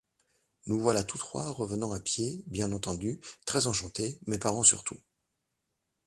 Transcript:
Nous voilà tous trois revenant à pied, bien entendu, très enchantés, mes parents surtout.